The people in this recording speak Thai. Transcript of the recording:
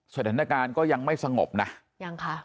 สถานการณ์ก็ยังไม่สงบนะยังค่ะ